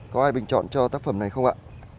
có ai bình chọn cho tác phẩm này không ạ